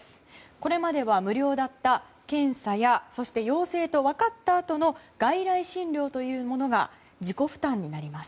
これまでは無料だった検査や陽性と分かったあとの外来診療というものが自己負担になります。